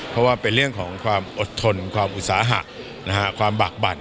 เพราะว่าเป็นเรื่องของความอดทนความอุตสาหะความบากบั่น